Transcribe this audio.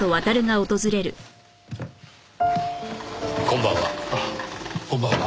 こんばんは。